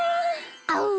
あう。